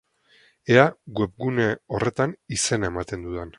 Ea webgune horretan izena ematen dudan.